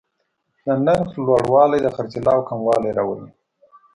د نرخ لوړوالی د خرڅلاو کموالی راولي.